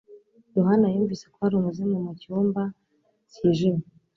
Yohana yumvise ko hari umuzimu mucyumba cyijimye.